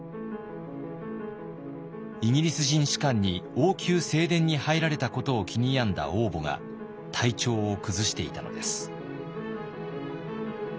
イギリス人士官に王宮正殿に入られたことを気に病んだ王母が体調を崩していたのです。